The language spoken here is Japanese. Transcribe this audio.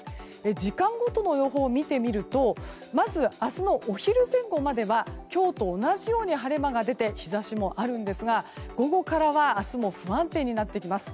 時間ごとの予報を見てみるとまず明日のお昼前後までは今日と同じように晴れ間が出て日差しもあるんですが午後からは明日も不安定になってきます。